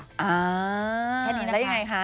อ๋อแค่นี้นะคะแล้วยังไงคะ